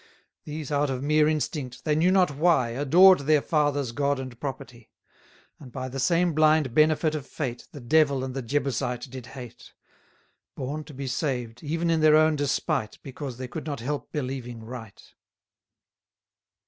These out of mere instinct, they knew not why, Adored their fathers' God and property; And by the same blind benefit of fate, The Devil and the Jebusite did hate: Born to be saved, even in their own despite, Because they could not help believing right.